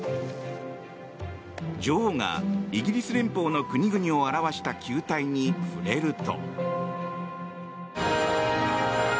女王がイギリス連邦の国々を表した球体に触れると。